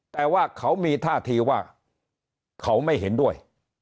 แต่ว่าเขามีท่าทีว่าเขาไม่เห็นด้วย